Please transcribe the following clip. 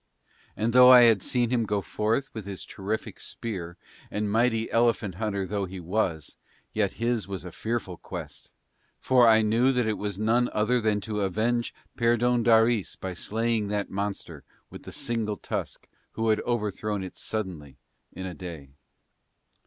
And though I had seen him go forth with his terrific spear, and mighty elephant hunter though he was, yet his was a fearful quest for I knew that it was none other than to avenge Perdóndaris by slaying that monster with the single tusk who had overthrown it suddenly in a day.